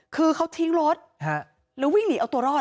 คือเขาทิ้งรถแล้ววิ่งหนีเอาตัวรอด